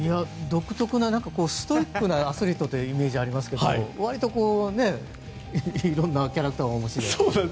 独特なストイックなアスリートのイメージがありますが割といろんなキャラクターをお持ちで。